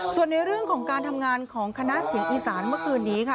ส่วนในเรื่องของการทำงานของคณะเสียงอีสานเมื่อคืนนี้ค่ะ